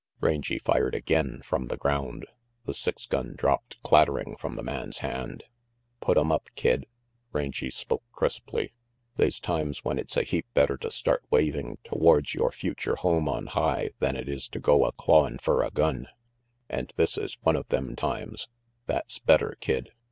Rangy fired again, from the ground. The six gun dropped clattering from the man's hand. "Put 'em up, Kid," Rangy spoke crisply. "They's times when it's a heap better to start wavin' towards 344 RANGY PETE yore future home on high than it is to go a clawin' fer a gun. And this is one of them times that's better, Kid.